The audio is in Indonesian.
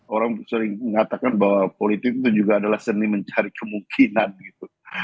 orang sering mengatakan bahwa politik itu juga adalah seni mencari kemungkinan gitu